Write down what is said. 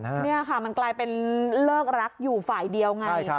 นี่ค่ะมันกลายเป็นเลิกรักอยู่ฝ่ายเดียวไง